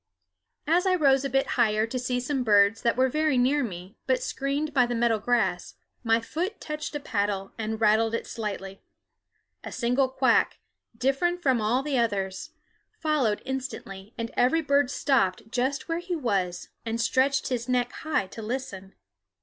As I rose a bit higher to see some birds that were very near me but screened by the meadow grass, my foot touched a paddle and rattled it slightly. A single quack, different from all others, followed instantly, and every bird stopped just where he was and stretched his neck high to listen.